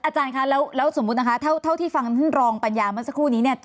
อาจารย์คะแล้วสมมุตินะคะเท่าที่ฟังท่านรองปัญญาเมื่อสักครู่นี้เนี่ย